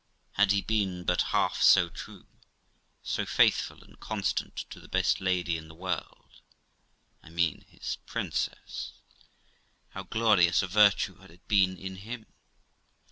Had he been but half so true, so faithful and constant to the best lady in the world I mean his princess how glorious a virtue had it been in him!